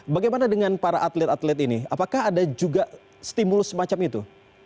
bagaimana dengan para atlet atlet ini apakah ada juga stimulus semacam itu